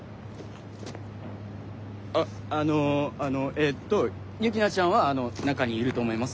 あっあのえっとユキナちゃんは中にいると思います。